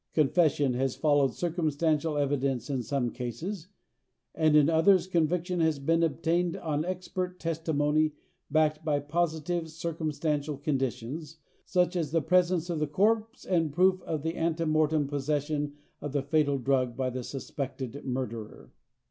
Confession has followed circumstantial evidence in some cases and in others conviction has been obtained on expert testimony backed by positive circumstantial conditions, such as the presence of the corpse and proof of the ante mortem possession of the fatal drug by the suspected murderer.